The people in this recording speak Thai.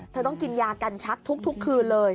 ต้องกินยากันชักทุกคืนเลย